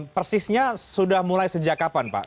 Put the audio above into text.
persisnya sudah mulai sejak kapan pak